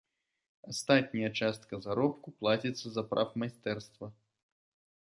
Астатняя частка заробку плаціцца за прафмайстэрства.